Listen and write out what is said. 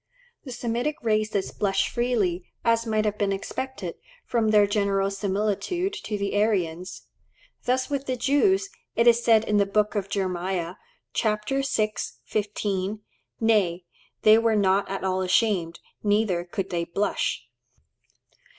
The Semitic races blush freely, as might have been expected, from their general similitude to the Aryans. Thus with the Jews, it is said in the Book of Jeremiah (chap. vi. 15), "Nay, they were not at all ashamed, neither could they blush."